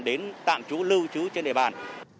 đến tạm trú lưu trú trên địa bàn